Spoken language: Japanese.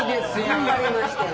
頑張りましてん。